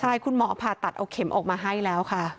ใช่คุณหมอผ่าตัดเอาเข็มออกมาให้แล้วค่ะ